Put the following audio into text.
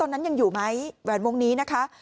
นั้นยังอยู่ไหมแหวนวงนี้นะคะ